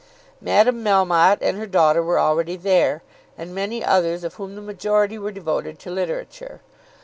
Madame Melmotte and her daughter were already there, and many others, of whom the majority were devoted to literature.